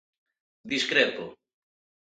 Discrepo.